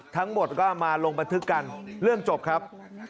ทั้งหมดก็มาลงบันทึกกันเรื่องจบครับ